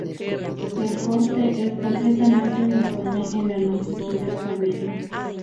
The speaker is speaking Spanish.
El corte es completamente uniforme en la longitud del cabello.